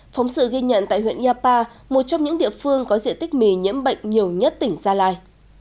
phóng sự ghi nhận tại huyện yapa một trong những địa phương có diện tích mì nhiễm bệnh nhiều nhất tỉnh gia lai